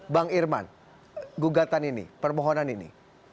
bang irman gugatan ini permohonan ini